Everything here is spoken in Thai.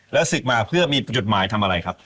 แล้วศึกมาเพื่อมีจดหมายทำอะไรครับ